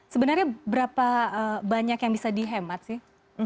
sebenarnya berapa banyak yang bisa dihemat sih